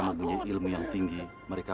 mempunyai ilmu yang tinggi mereka